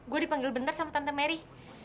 gue dipanggil benar sama tante merry